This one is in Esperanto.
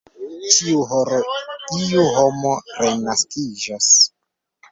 ĉiu horo, iu homo renaskiĝas?